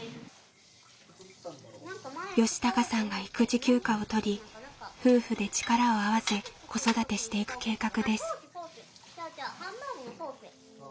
良貴さんが育児休暇を取り夫婦で力を合わせ子育てしていく計画です。